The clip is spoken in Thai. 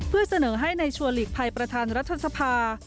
เพื่อเสนอให้ในชัวร์หลีกภัยประธานรัฐสภา